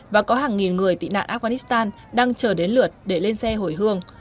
và có hàng nghìn người tị nạn afghanistan đang chờ đến lượt để lên xe hồi hương